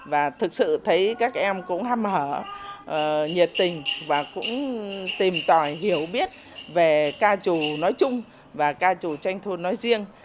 và thực sự thấy các em cũng hâm hở nhiệt tình và cũng tìm tòi hiểu biết về ca trù nói chung và ca trù tranh thôn nói riêng